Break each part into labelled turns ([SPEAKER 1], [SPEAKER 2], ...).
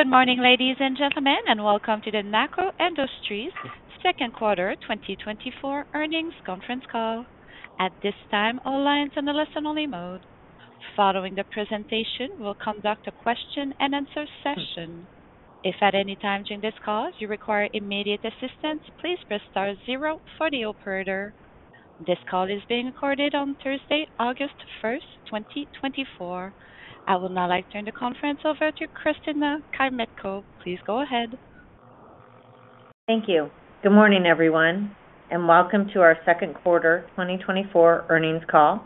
[SPEAKER 1] Good morning, ladies and gentlemen, and welcome to the NACCO Industries second quarter 2024 earnings conference call. At this time, all lines are in the listen-only mode. Following the presentation, we'll conduct a question-and-answer session. If at any time during this call you require immediate assistance, please press star zero for the operator. This call is being recorded on Thursday, August 1st, 2024. I will now like to turn the conference over to Christina Kmetko. Please go ahead.
[SPEAKER 2] Thank you. Good morning, everyone, and welcome to our second quarter 2024 earnings call.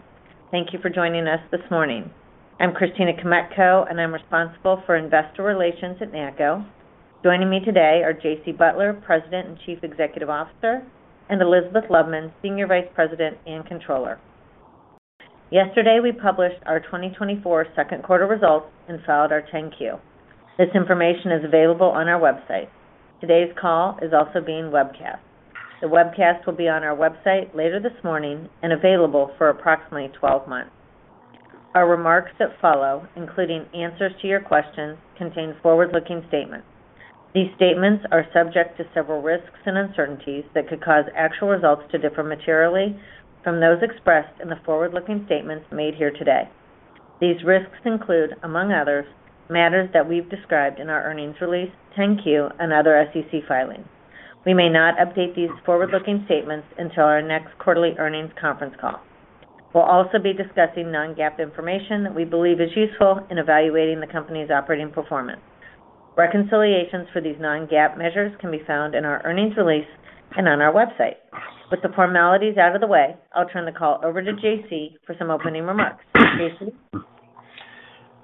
[SPEAKER 2] Thank you for joining us this morning. I'm Christina Kmetko, and I'm responsible for investor relations at NACCO. Joining me today are J.C. Butler, President and Chief Executive Officer, and Elizabeth Loveman, Senior Vice President and Controller. Yesterday, we published our 2024 second quarter results and filed our 10-Q. This information is available on our website. Today's call is also being webcast. The webcast will be on our website later this morning and available for approximately 12 months. Our remarks that follow, including answers to your questions, contain forward-looking statements. These statements are subject to several risks and uncertainties that could cause actual results to differ materially from those expressed in the forward-looking statements made here today. These risks include, among others, matters that we've described in our earnings release, 10-Q, and other SEC filings. We may not update these forward-looking statements until our next quarterly earnings conference call. We'll also be discussing non-GAAP information that we believe is useful in evaluating the company's operating performance. Reconciliations for these non-GAAP measures can be found in our earnings release and on our website. With the formalities out of the way, I'll turn the call over to J.C. for some opening remarks. J.C.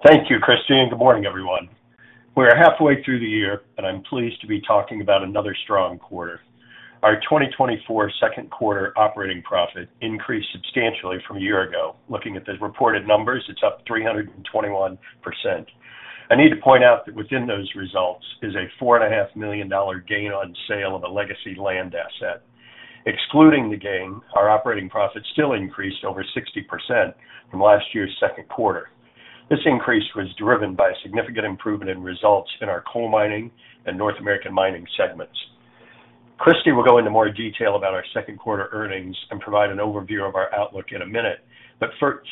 [SPEAKER 3] Thank you, Christina. Good morning, everyone. We're halfway through the year, and I'm pleased to be talking about another strong quarter. Our 2024 second quarter operating profit increased substantially from a year ago. Looking at the reported numbers, it's up 321%. I need to point out that within those results is a $4.5 million gain on sale of a legacy land asset. Excluding the gain, our operating profit still increased over 60% from last year's second quarter. This increase was driven by a significant improvement in results in our Coal Mining and North American Mining segments. Christina will go into more detail about our second quarter earnings and provide an overview of our outlook in a minute, but first,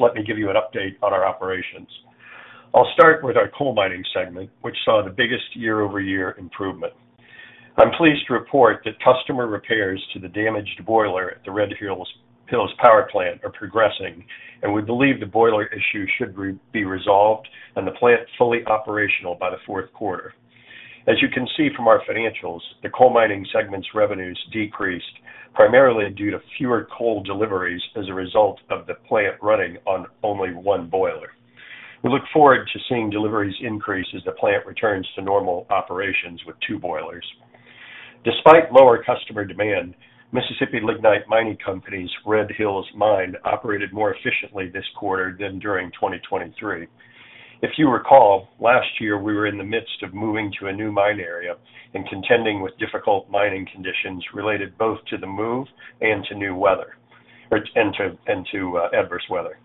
[SPEAKER 3] let me give you an update on our operations. I'll start with our Coal Mining segment, which saw the biggest year-over-year improvement. I'm pleased to report that customer repairs to the damaged boiler at the Red Hills Power Plant are progressing, and we believe the boiler issue should be resolved and the plant fully operational by the fourth quarter. As you can see from our financials, the coal mining segment's revenues decreased primarily due to fewer coal deliveries as a result of the plant running on only one boiler. We look forward to seeing deliveries increase as the plant returns to normal operations with 2 boilers. Despite lower customer demand, Mississippi Lignite Mining Company's Red Hills Mine operated more efficiently this quarter than during 2023. If you recall, last year we were in the midst of moving to a new mine area and contending with difficult mining conditions related both to the move and to new weather and to adverse weather.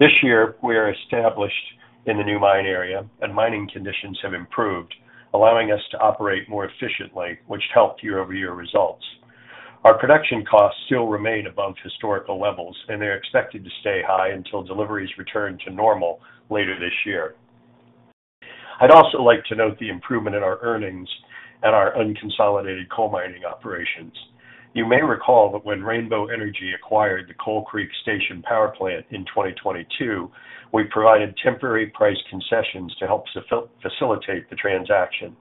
[SPEAKER 3] This year, we are established in the new mine area, and mining conditions have improved, allowing us to operate more efficiently, which helped year-over-year results. Our production costs still remain above historical levels, and they're expected to stay high until deliveries return to normal later this year. I'd also like to note the improvement in our earnings and our unconsolidated coal mining operations. You may recall that when Rainbow Energy acquired the Coal Creek Station Power Plant in 2022, we provided temporary price concessions to help facilitate the transaction.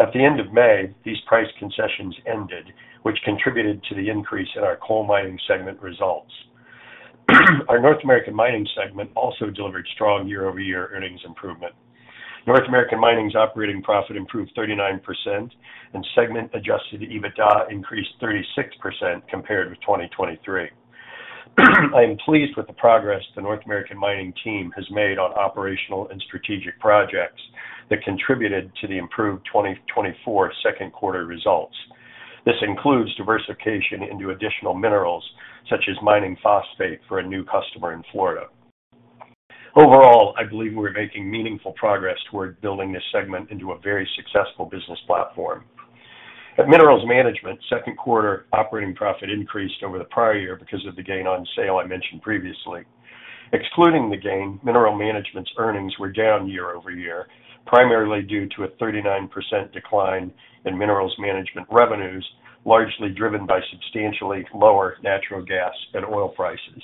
[SPEAKER 3] At the end of May, these price concessions ended, which contributed to the increase in our coal mining segment results. Our North American Mining segment also delivered strong year-over-year earnings improvement. North American Mining's operating profit improved 39%, and Segment-adjusted EBITDA increased 36% compared with 2023. I am pleased with the progress the North American Mining team has made on operational and strategic projects that contributed to the improved 2024 second quarter results. This includes diversification into additional minerals such as mining phosphate for a new customer in Florida. Overall, I believe we're making meaningful progress toward building this segment into a very successful business platform. At Minerals Management, second quarter operating profit increased over the prior year because of the gain on sale I mentioned previously. Excluding the gain, Minerals Management's earnings were down year-over-year, primarily due to a 39% decline in Minerals Management revenues, largely driven by substantially lower natural gas and oil prices.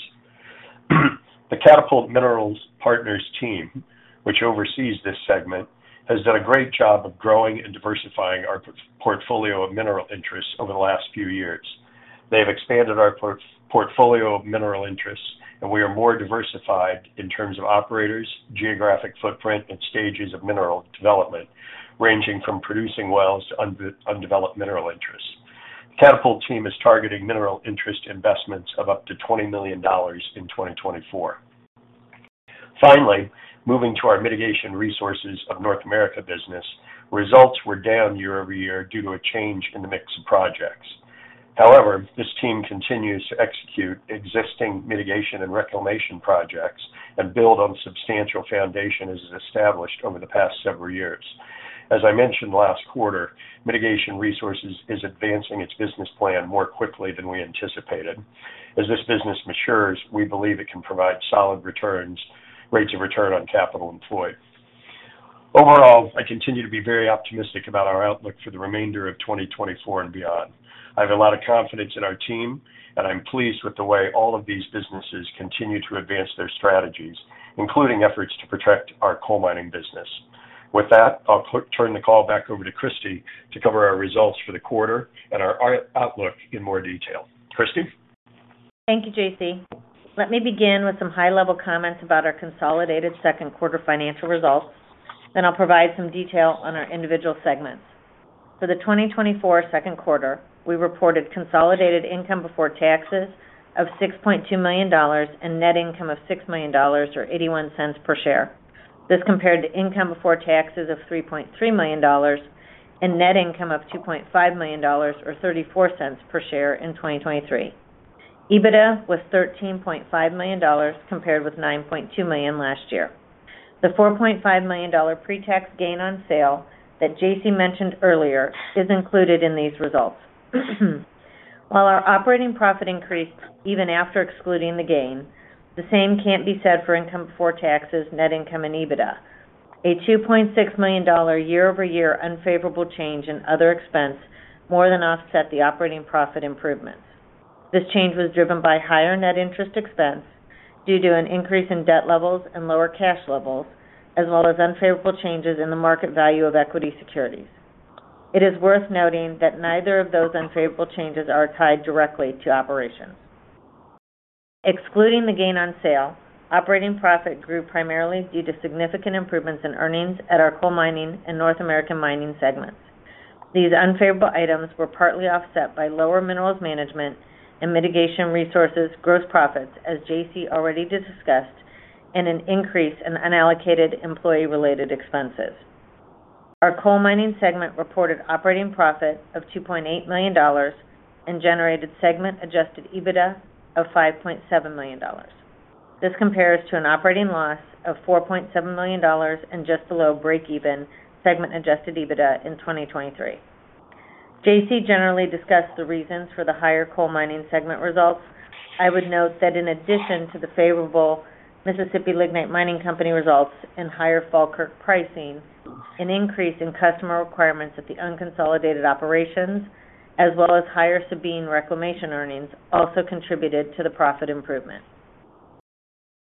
[SPEAKER 3] The Catapult Mineral Partners team, which oversees this segment, has done a great job of growing and diversifying our portfolio of mineral interests over the last few years. They have expanded our portfolio of mineral interests, and we are more diversified in terms of operators, geographic footprint, and stages of mineral development, ranging from producing wells to undeveloped mineral interests. The Catapult team is targeting mineral interest investments of up to $20 million in 2024. Finally, moving to our Mitigation Resources of North America business, results were down year-over-year due to a change in the mix of projects. However, this team continues to execute existing mitigation and reclamation projects and build on substantial foundation as established over the past several years. As I mentioned last quarter, Mitigation Resources is advancing its business plan more quickly than we anticipated. As this business matures, we believe it can provide solid returns, rates of return on capital employed. Overall, I continue to be very optimistic about our outlook for the remainder of 2024 and beyond. I have a lot of confidence in our team, and I'm pleased with the way all of these businesses continue to advance their strategies, including efforts to protect our coal mining business. With that, I'll turn the call back over to Christina to cover our results for the quarter and our outlook in more detail. Christina?
[SPEAKER 2] Thank you, J.C. Let me begin with some high-level comments about our consolidated second quarter financial results, then I'll provide some detail on our individual segments. For the 2024 second quarter, we reported consolidated income before taxes of $6.2 million and net income of $6 million or $0.81 per share. This compared to income before taxes of $3.3 million and net income of $2.5 million or $0.34 per share in 2023. EBITDA was $13.5 million compared with $9.2 million last year. The $4.5 million pre-tax gain on sale that J.C. mentioned earlier is included in these results. While our operating profit increased even after excluding the gain, the same can't be said for income before taxes, net income, and EBITDA. A $2.6 million year-over-year unfavorable change in other expense more than offsets the operating profit improvements. This change was driven by higher net interest expense due to an increase in debt levels and lower cash levels, as well as unfavorable changes in the market value of equity securities. It is worth noting that neither of those unfavorable changes are tied directly to operations. Excluding the gain on sale, operating profit grew primarily due to significant improvements in earnings at our coal mining and North American mining segments. These unfavorable items were partly offset by lower Minerals Management and Mitigation Resources gross profits, as J.C. already discussed, and an increase in unallocated employee-related expenses. Our coal mining segment reported operating profit of $2.8 million and generated segment-adjusted EBITDA of $5.7 million. This compares to an operating loss of $4.7 million and just below break-even segment-adjusted EBITDA in 2023. J.C. generally discussed the reasons for the higher coal mining segment results. I would note that in addition to the favorable Mississippi Lignite Mining Company results and higher Falkirk pricing, an increase in customer requirements at the unconsolidated operations, as well as higher Sabine reclamation earnings, also contributed to the profit improvement.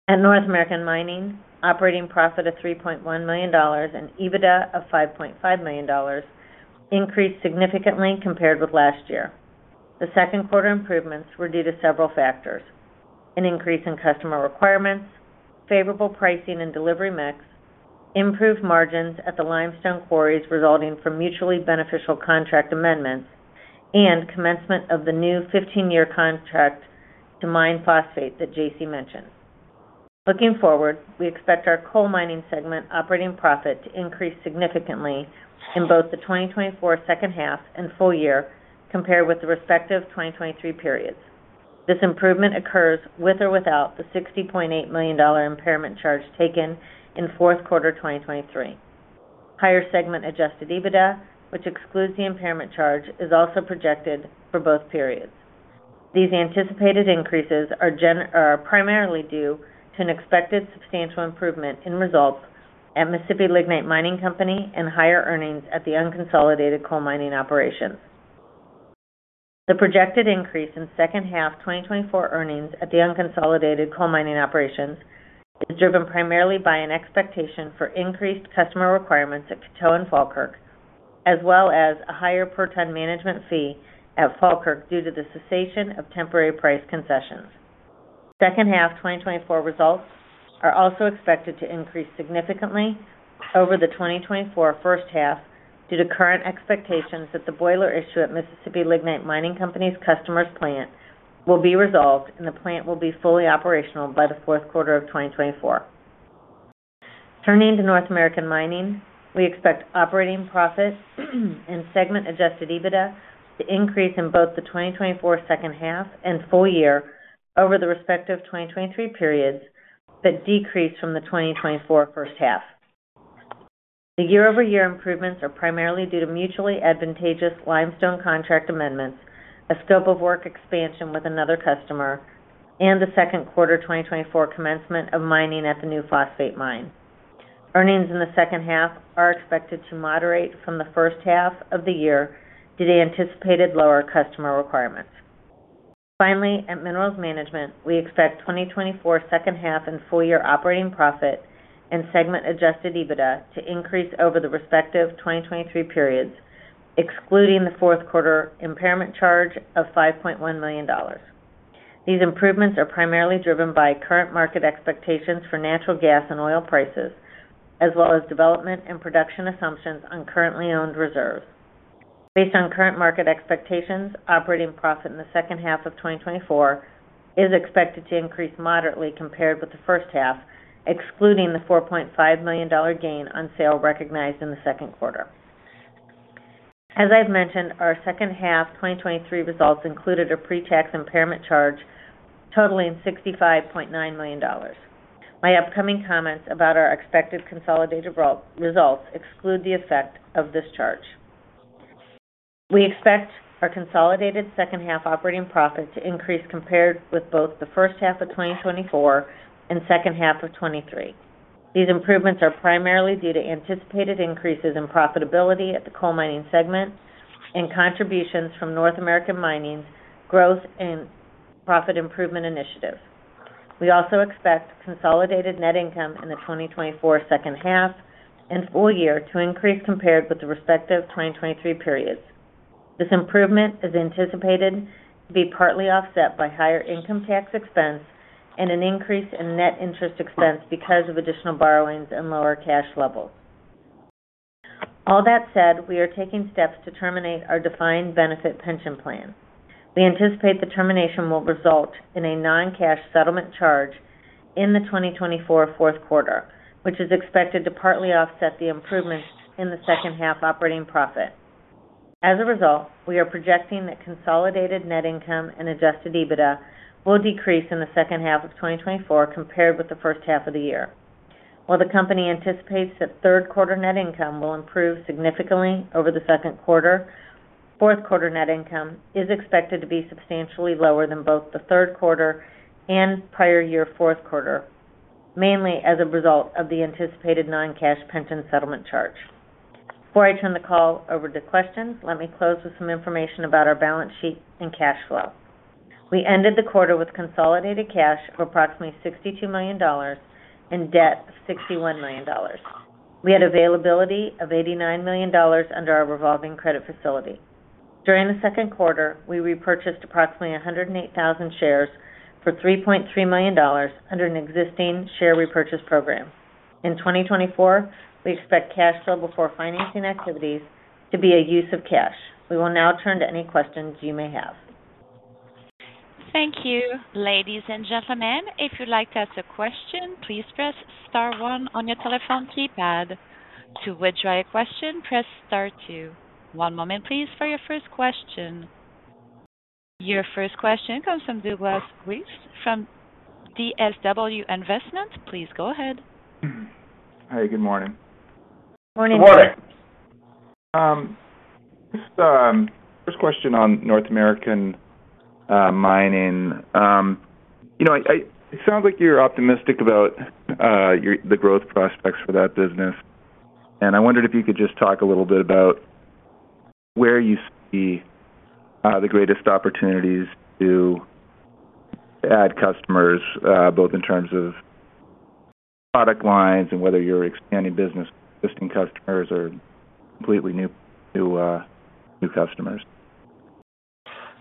[SPEAKER 2] At North American Mining, operating profit of $3.1 million and EBITDA of $5.5 million increased significantly compared with last year. The second quarter improvements were due to several factors: an increase in customer requirements, favorable pricing and delivery mix, improved margins at the limestone quarries resulting from mutually beneficial contract amendments, and commencement of the new 15-year contract to mine phosphate that J.C. mentioned. Looking forward, we expect our coal mining segment operating profit to increase significantly in both the 2024 second half and full year compared with the respective 2023 periods. This improvement occurs with or without the $60.8 million impairment charge taken in fourth quarter 2023. Higher segment-adjusted EBITDA, which excludes the impairment charge, is also projected for both periods. These anticipated increases are primarily due to an expected substantial improvement in results at Mississippi Lignite Mining Company and higher earnings at the unconsolidated coal mining operations. The projected increase in second half 2024 earnings at the unconsolidated coal mining operations is driven primarily by an expectation for increased customer requirements at Coteau and Falkirk, as well as a higher per ton management fee at Falkirk due to the cessation of temporary price concessions. Second half 2024 results are also expected to increase significantly over the 2024 first half due to current expectations that the boiler issue at Mississippi Lignite Mining Company's customers' plant will be resolved and the plant will be fully operational by the fourth quarter of 2024. Turning to North American Mining, we expect operating profit and segment-adjusted EBITDA to increase in both the 2024 second half and full year over the respective 2023 periods but decrease from the 2024 first half. The year-over-year improvements are primarily due to mutually advantageous limestone contract amendments, a scope of work expansion with another customer, and the second quarter 2024 commencement of mining at the new phosphate mine. Earnings in the second half are expected to moderate from the first half of the year due to anticipated lower customer requirements. Finally, at Minerals Management, we expect 2024 second half and full year operating profit and segment-adjusted EBITDA to increase over the respective 2023 periods, excluding the fourth quarter impairment charge of $5.1 million. These improvements are primarily driven by current market expectations for natural gas and oil prices, as well as development and production assumptions on currently owned reserves. Based on current market expectations, operating profit in the second half of 2024 is expected to increase moderately compared with the first half, excluding the $4.5 million gain on sale recognized in the second quarter. As I've mentioned, our second half 2023 results included a pre-tax impairment charge totaling $65.9 million. My upcoming comments about our expected consolidated results exclude the effect of this charge. We expect our consolidated second half operating profit to increase compared with both the first half of 2024 and second half of 2023. These improvements are primarily due to anticipated increases in profitability at the coal mining segment and contributions from North American Mining's growth and profit improvement initiatives. We also expect consolidated net income in the 2024 second half and full year to increase compared with the respective 2023 periods. This improvement is anticipated to be partly offset by higher income tax expense and an increase in net interest expense because of additional borrowings and lower cash levels. All that said, we are taking steps to terminate our defined benefit pension plan. We anticipate the termination will result in a non-cash settlement charge in the 2024 fourth quarter, which is expected to partly offset the improvements in the second half operating profit. As a result, we are projecting that consolidated net income and Adjusted EBITDA will decrease in the second half of 2024 compared with the first half of the year. While the company anticipates that third quarter net income will improve significantly over the second quarter, fourth quarter net income is expected to be substantially lower than both the third quarter and prior year fourth quarter, mainly as a result of the anticipated non-cash pension settlement charge. Before I turn the call over to questions, let me close with some information about our balance sheet and cash flow. We ended the quarter with consolidated cash of approximately $62 million and debt of $61 million. We had availability of $89 million under our revolving credit facility. During the second quarter, we repurchased approximately 108,000 shares for $3.3 million under an existing share repurchase program. In 2024, we expect cash flow before financing activities to be a use of cash. We will now turn to any questions you may have.
[SPEAKER 1] Thank you, ladies and gentlemen. If you'd like to ask a question, please press Star 1 on your telephone keypad. To withdraw your question, press Star 2. One moment, please, for your first question. Your first question comes from Douglas Weiss from DSW Investment. Please go ahead.
[SPEAKER 4] Hi. Good morning.
[SPEAKER 3] Morning.
[SPEAKER 4] Good morning. First question on North American Mining. It sounds like you're optimistic about the growth prospects for that business. I wondered if you could just talk a little bit about where you see the greatest opportunities to add customers, both in terms of product lines and whether you're expanding business with existing customers or completely new customers.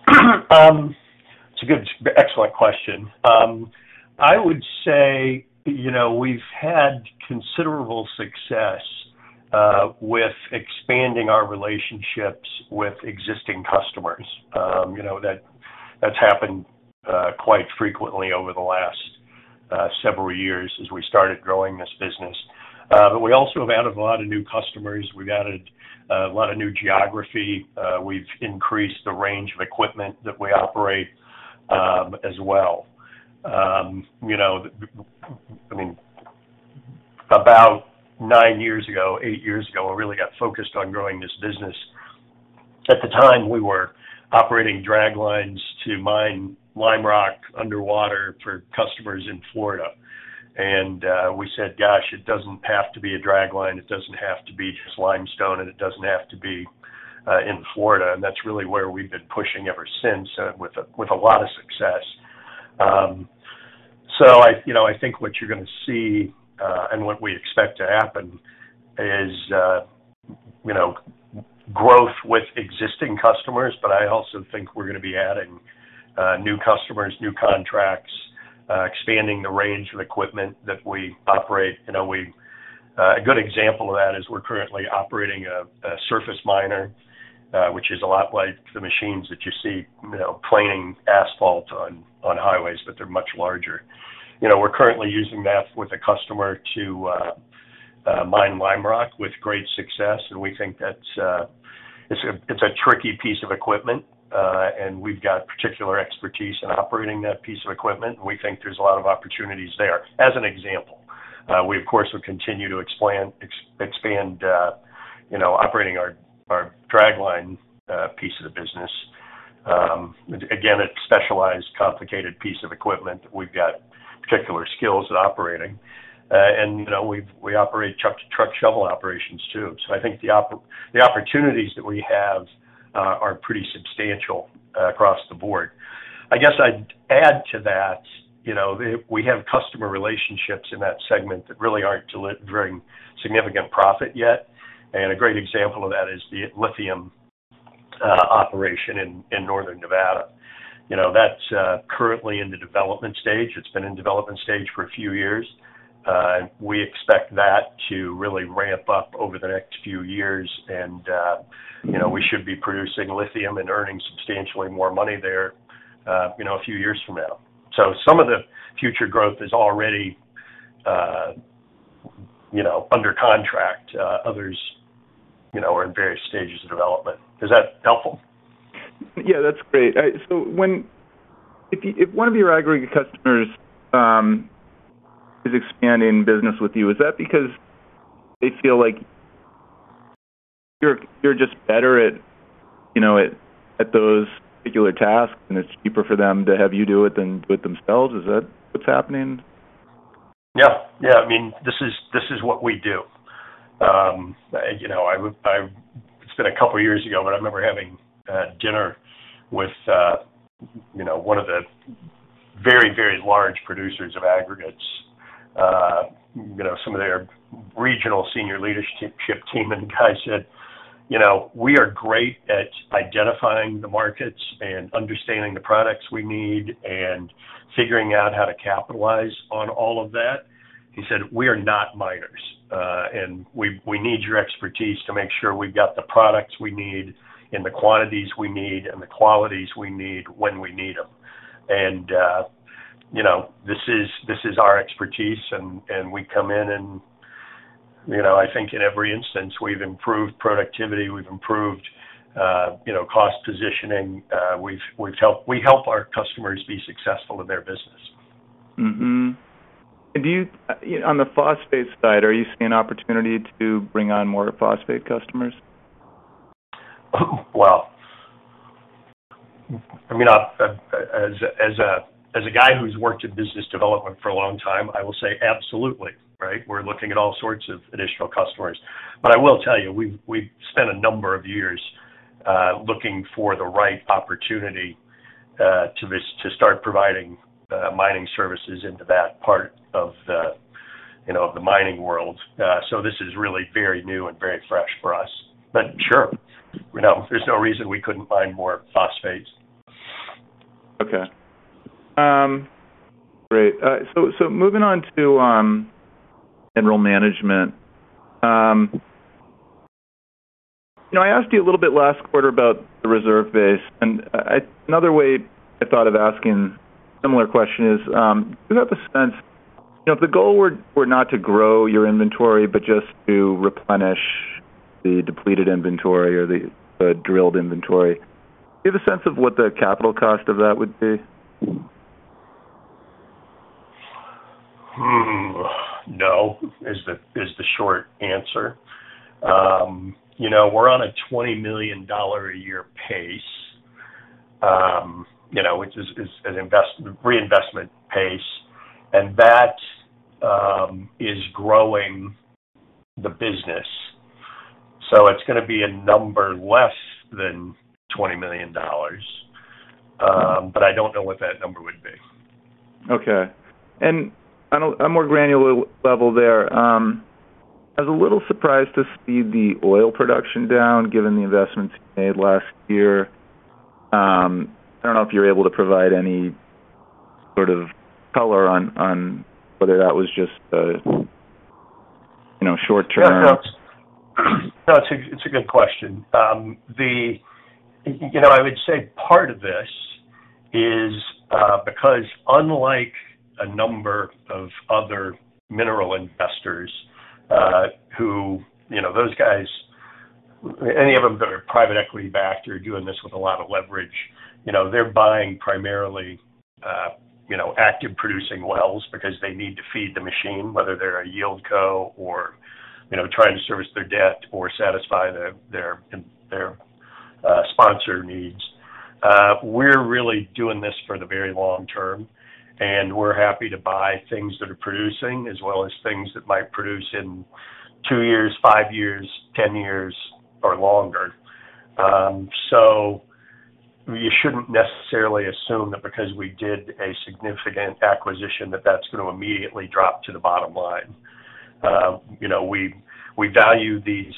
[SPEAKER 3] It's a good, excellent question. I would say we've had considerable success with expanding our relationships with existing customers. That's happened quite frequently over the last several years as we started growing this business. But we also have added a lot of new customers. We've added a lot of new geography. We've increased the range of equipment that we operate as well. About 9 years ago, 8 years ago, we really got focused on growing this business. At the time, we were operating draglines to mine limerock underwater for customers in Florida. And we said, "Gosh, it doesn't have to be a dragline. It doesn't have to be just limestone, and it doesn't have to be in Florida." And that's really where we've been pushing ever since with a lot of success. So I think what you're going to see and what we expect to happen is growth with existing customers, but I also think we're going to be adding new customers, new contracts, expanding the range of equipment that we operate. A good example of that is we're currently operating a surface miner, which is a lot like the machines that you see planing asphalt on highways, but they're much larger. We're currently using that with a customer to mine limerock with great success. And we think that it's a tricky piece of equipment, and we've got particular expertise in operating that piece of equipment. We think there's a lot of opportunities there. As an example, we, of course, will continue to expand operating our dragline piece of the business. Again, it's a specialized, complicated piece of equipment. We've got particular skills at operating. We operate truck-to-truck shovel operations, too. So I think the opportunities that we have are pretty substantial across the board. I guess I'd add to that we have customer relationships in that segment that really aren't delivering significant profit yet. And a great example of that is the lithium operation in Northern Nevada. That's currently in the development stage. It's been in development stage for a few years. We expect that to really ramp up over the next few years, and we should be producing lithium and earning substantially more money there a few years from now. So some of the future growth is already under contract. Others are in various stages of development. Is that helpful?
[SPEAKER 4] Yeah, that's great. So if one of your aggregate customers is expanding business with you, is that because they feel like you're just better at those particular tasks, and it's cheaper for them to have you do it than do it themselves? Is that what's happening?
[SPEAKER 3] Yeah. Yeah. I mean, this is what we do. It's been a couple of years ago, but I remember having dinner with one of the very, very large producers of aggregates. Some of their regional senior leadership team, and the guy said, "We are great at identifying the markets and understanding the products we need and figuring out how to capitalize on all of that." He said, "We are not miners, and we need your expertise to make sure we've got the products we need in the quantities we need and the qualities we need when we need them." And this is our expertise, and we come in, and I think in every instance, we've improved productivity. We've improved cost positioning. We help our customers be successful in their business.
[SPEAKER 4] On the phosphate side, are you seeing opportunity to bring on more phosphate customers?
[SPEAKER 3] Well, I mean, as a guy who's worked in business development for a long time, I will say absolutely, right? We're looking at all sorts of additional customers. But I will tell you, we've spent a number of years looking for the right opportunity to start providing mining services into that part of the mining world. So this is really very new and very fresh for us. But sure, there's no reason we couldn't mine more phosphate.
[SPEAKER 4] Okay. Great. So moving on to mineral management, I asked you a little bit last quarter about the reserve base. Another way I thought of asking a similar question is, do you have a sense if the goal were not to grow your inventory but just to replenish the depleted inventory or the drilled inventory, do you have a sense of what the capital cost of that would be?
[SPEAKER 3] No. Is the short answer. We're on a $20 million a year pace, which is a reinvestment pace, and that is growing the business. So it's going to be a number less than $20 million, but I don't know what that number would be.
[SPEAKER 4] Okay. And on a more granular level there, I was a little surprised to see the oil production down given the investments you made last year. I don't know if you're able to provide any sort of color on whether that was just a short-term.
[SPEAKER 3] No, it's a good question. I would say part of this is because unlike a number of other mineral investors who those guys, any of them that are private equity backed or doing this with a lot of leverage, they're buying primarily active-producing wells because they need to feed the machine, whether they're a YieldCo or trying to service their debt or satisfy their sponsor needs. We're really doing this for the very long term, and we're happy to buy things that are producing as well as things that might produce in 2 years, 5 years, 10 years, or longer. So you shouldn't necessarily assume that because we did a significant acquisition that that's going to immediately drop to the bottom line. We value these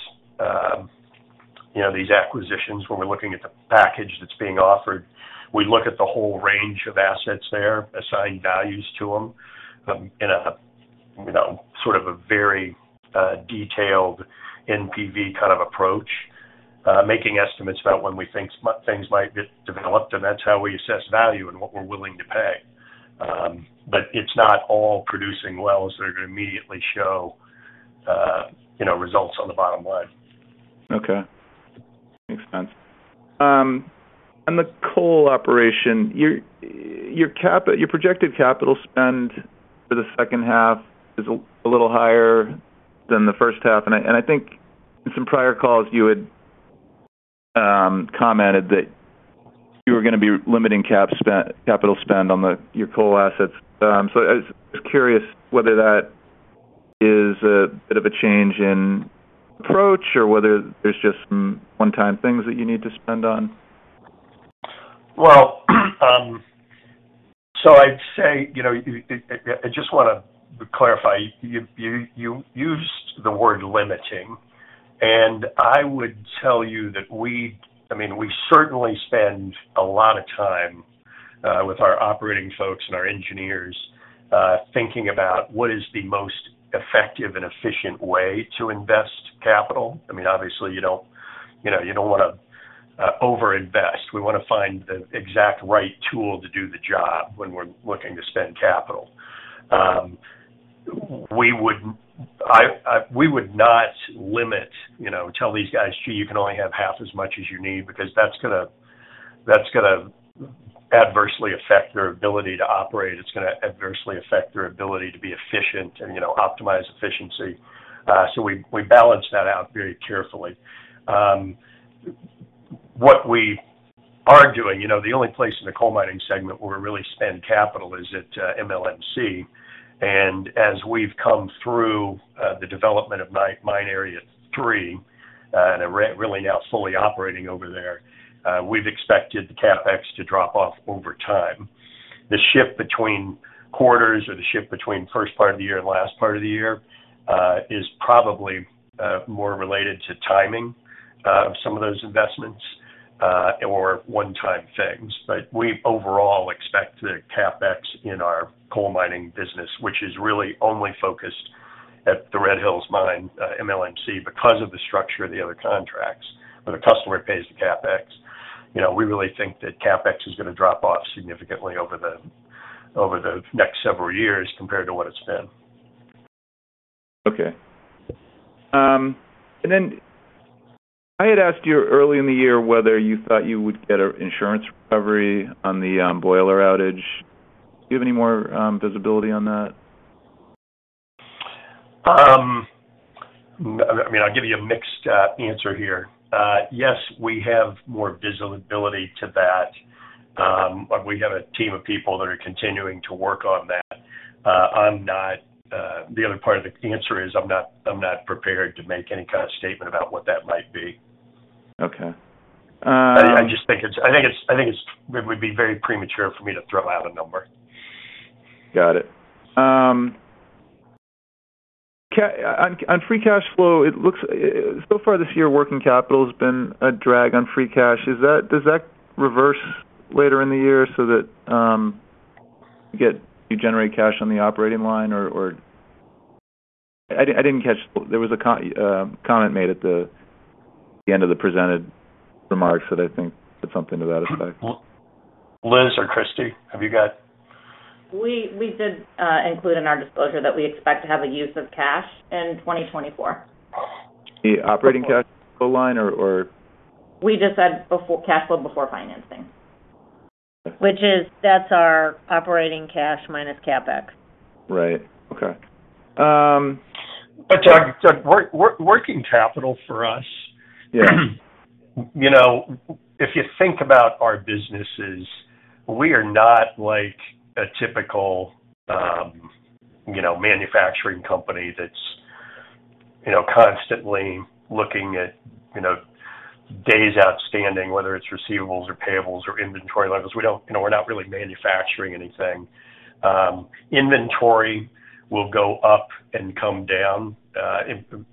[SPEAKER 3] acquisitions when we're looking at the package that's being offered. We look at the whole range of assets there, assign values to them in sort of a very detailed NPV kind of approach, making estimates about when we think things might get developed. And that's how we assess value and what we're willing to pay. But it's not all producing wells that are going to immediately show results on the bottom line.
[SPEAKER 4] Okay. Makes sense. On the coal operation, your projected capital spend for the second half is a little higher than the first half. I think in some prior calls, you had commented that you were going to be limiting capital spend on your coal assets. I was curious whether that is a bit of a change in approach or whether there's just some one-time things that you need to spend on.
[SPEAKER 3] Well, so I'd say I just want to clarify. You used the word limiting, and I would tell you that we certainly spend a lot of time with our operating folks and our engineers thinking about what is the most effective and efficient way to invest capital. I mean, obviously, you don't want to over-invest. We want to find the exact right tool to do the job when we're looking to spend capital. We would not limit, tell these guys, "Gee, you can only have half as much as you need," because that's going to adversely affect their ability to operate. It's going to adversely affect their ability to be efficient and optimize efficiency. So we balance that out very carefully. What we are doing, the only place in the coal mining segment where we really spend capital is at MLMC. As we've come through the development of Mine Area 3 and are really now fully operating over there, we've expected the CapEx to drop off over time. The shift between quarters or the shift between first part of the year and last part of the year is probably more related to timing of some of those investments or one-time things. But we overall expect the CapEx in our coal mining business, which is really only focused at the Red Hills Mine, MLMC, because of the structure of the other contracts where the customer pays the CapEx. We really think that CapEx is going to drop off significantly over the next several years compared to what it's been.
[SPEAKER 4] Okay. And then I had asked you early in the year whether you thought you would get an insurance recovery on the boiler outage. Do you have any more visibility on that?
[SPEAKER 3] I mean, I'll give you a mixed answer here. Yes, we have more visibility to that. We have a team of people that are continuing to work on that. The other part of the answer is I'm not prepared to make any kind of statement about what that might be.
[SPEAKER 4] Okay.
[SPEAKER 3] I just think it's very premature for me to throw out a number.
[SPEAKER 4] Got it. On free cash flow, so far this year, working capital has been a drag on free cash. Does that reverse later in the year so that you generate cash on the operating line? I didn't catch there was a comment made at the end of the presented remarks that I think said something to that effect. Liz or Christy, have you got?
[SPEAKER 2] We did include in our disclosure that we expect to have a use of cash in 2024.
[SPEAKER 4] The operating cash flow line or?
[SPEAKER 2] We just said cash flow before financing, which is that's our operating cash minus CapEx.
[SPEAKER 4] Right. Okay.
[SPEAKER 3] Working capital for us, if you think about our businesses, we are not like a typical manufacturing company that's constantly looking at days outstanding, whether it's receivables or payables or inventory levels. We're not really manufacturing anything. Inventory will go up and come down.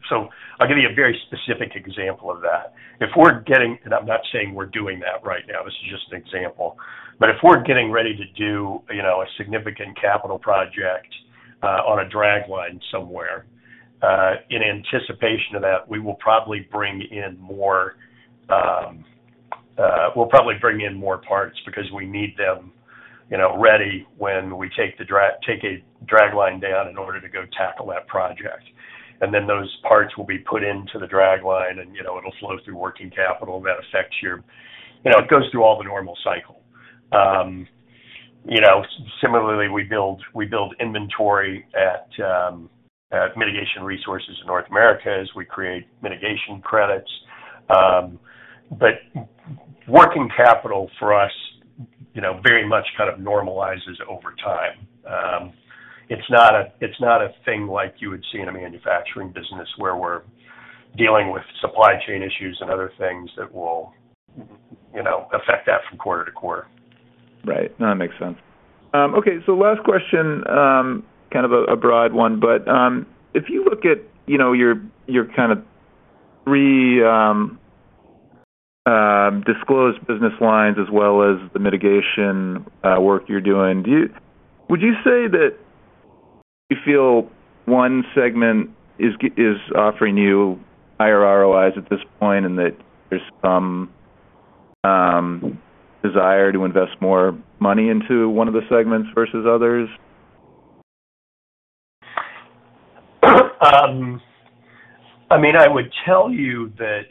[SPEAKER 3] So I'll give you a very specific example of that. If we're getting, and I'm not saying we're doing that right now. This is just an example. But if we're getting ready to do a significant capital project on a dragline somewhere, in anticipation of that, we will probably bring in more, we'll probably bring in more parts because we need them ready when we take a dragline down in order to go tackle that project. And then those parts will be put into the dragline, and it'll flow through working capital. That affects your, it goes through all the normal cycle. Similarly, we build inventory at Mitigation Resources of North America as we create mitigation credits. But working capital for us very much kind of normalizes over time. It's not a thing like you would see in a manufacturing business where we're dealing with supply chain issues and other things that will affect that from quarter to quarter.
[SPEAKER 4] Right. No, that makes sense. Okay. So last question, kind of a broad one. But if you look at your kind of 3 disclosed business lines as well as the mitigation work you're doing, would you say that you feel one segment is offering you higher ROIs at this point and that there's some desire to invest more money into one of the segments versus others?
[SPEAKER 3] I mean, I would tell you that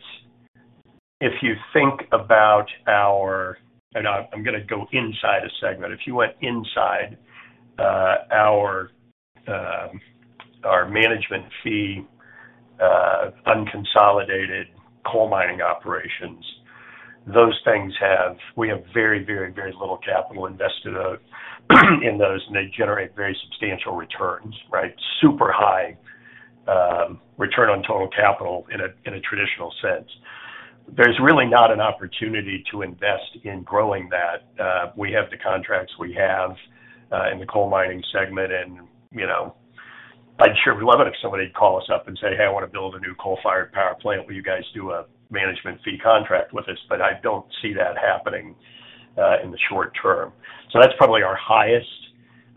[SPEAKER 3] if you think about our, and I'm going to go inside a segment. If you went inside our management fee unconsolidated coal mining operations, those things have, we have very, very, very little capital invested in those, and they generate very substantial returns, right? Super high return on total capital in a traditional sense. There's really not an opportunity to invest in growing that. We have the contracts we have in the coal mining segment, and I'm sure we love it if somebody'd call us up and say, "Hey, I want to build a new coal-fired power plant. Will you guys do a management fee contract with us?" But I don't see that happening in the short term. So that's probably our highest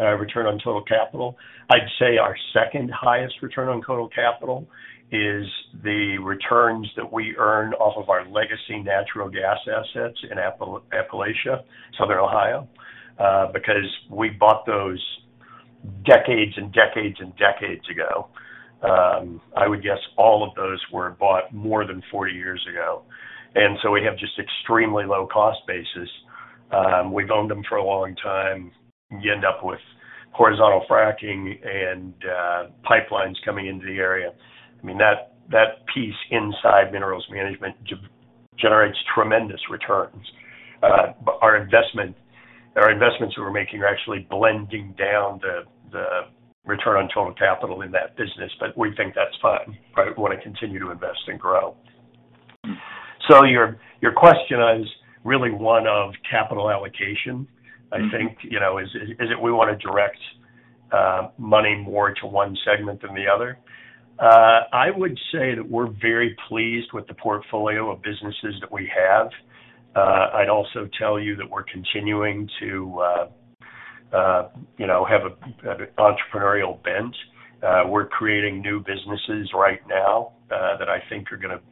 [SPEAKER 3] return on total capital. I'd say our second highest return on total capital is the returns that we earn off of our legacy natural gas assets in Appalachia, Southern Ohio, because we bought those decades and decades and decades ago. I would guess all of those were bought more than 40 years ago. And so we have just extremely low cost bases. We've owned them for a long time. You end up with horizontal fracking and pipelines coming into the area. I mean, that piece inside Minerals Management generates tremendous returns. Our investments that we're making are actually blending down the return on total capital in that business, but we think that's fine. We want to continue to invest and grow.
[SPEAKER 4] So your question is really one of capital allocation, I think. Is it we want to direct money more to one segment than the other?
[SPEAKER 3] I would say that we're very pleased with the portfolio of businesses that we have. I'd also tell you that we're continuing to have an entrepreneurial bent. We're creating new businesses right now that I think are going to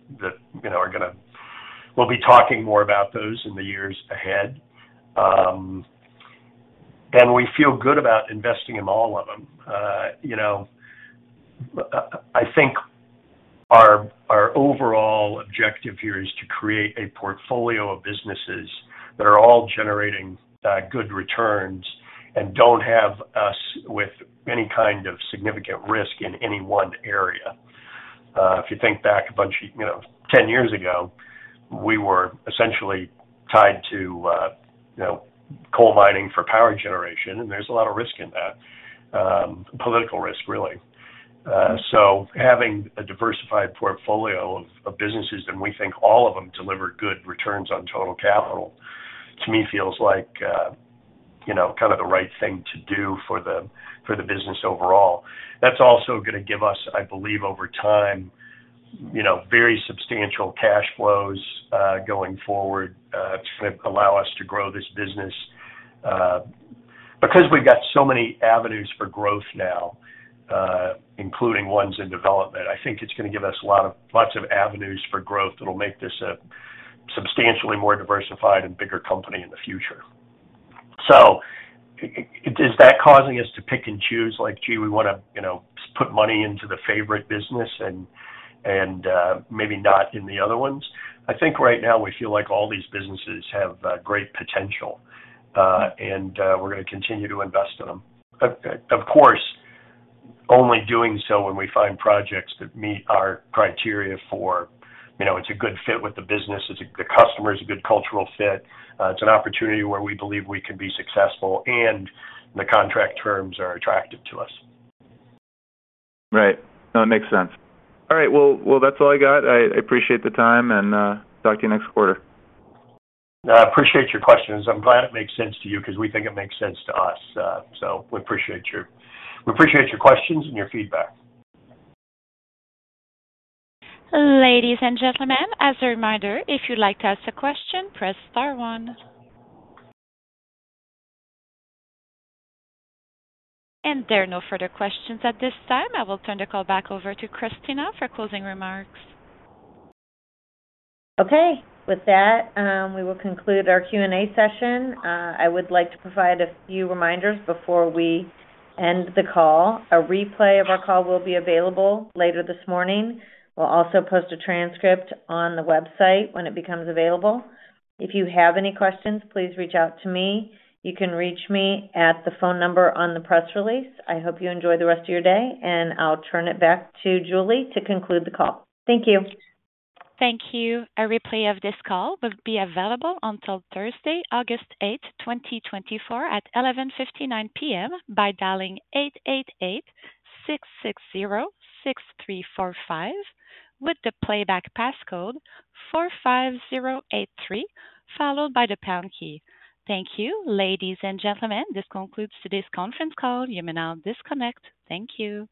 [SPEAKER 3] - we'll be talking more about those in the years ahead. And we feel good about investing in all of them. I think our overall objective here is to create a portfolio of businesses that are all generating good returns and don't have us with any kind of significant risk in any one area. If you think back a bunch of 10 years ago, we were essentially tied to coal mining for power generation, and there's a lot of risk in that, political risk, really. So having a diversified portfolio of businesses that we think all of them deliver good returns on total capital, to me, feels like kind of the right thing to do for the business overall. That's also going to give us, I believe, over time, very substantial cash flows going forward to kind of allow us to grow this business. Because we've got so many avenues for growth now, including ones in development, I think it's going to give us lots of avenues for growth that will make this a substantially more diversified and bigger company in the future. So is that causing us to pick and choose like, "Gee, we want to put money into the favorite business and maybe not in the other ones?" I think right now we feel like all these businesses have great potential, and we're going to continue to invest in them. Of course, only doing so when we find projects that meet our criteria, for it's a good fit with the business. The customer is a good cultural fit. It's an opportunity where we believe we can be successful, and the contract terms are attractive to us.
[SPEAKER 4] Right. No, that makes sense. All right. Well, that's all I got. I appreciate the time, and talk to you next quarter.
[SPEAKER 3] I appreciate your questions. I'm glad it makes sense to you because we think it makes sense to us. So we appreciate your questions and your feedback.
[SPEAKER 1] Ladies and gentlemen, as a reminder, if you'd like to ask a question, press star one. There are no further questions at this time. I will turn the call back over to Christina for closing remarks.
[SPEAKER 2] Okay. With that, we will conclude our Q&A session. I would like to provide a few reminders before we end the call. A replay of our call will be available later this morning. We'll also post a transcript on the website when it becomes available. If you have any questions, please reach out to me. You can reach me at the phone number on the press release. I hope you enjoy the rest of your day, and I'll turn it back to Julie to conclude the call. Thank you.
[SPEAKER 1] Thank you. A replay of this call will be available until Thursday, August 8th, 2024, at 11:59 P.M. by dialing 888-660-6345 with the playback passcode 45083, followed by the pound key. Thank you. Ladies and gentlemen, this concludes today's conference call. You may now disconnect. Thank you.